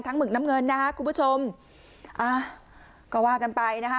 หมึกน้ำเงินนะฮะคุณผู้ชมอ่าก็ว่ากันไปนะคะ